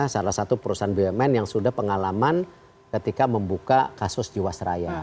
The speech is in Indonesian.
salah satu perusahaan bumn yang sudah pengalaman ketika membuka kasus jiwasraya